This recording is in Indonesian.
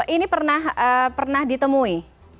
ini pernah ditemui